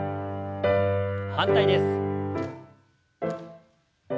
反対です。